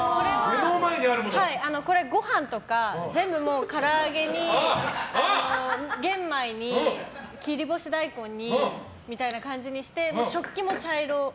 これ、ごはんとか全部、から揚げに玄米に切り干し大根にみたいな感じにして食器も茶色。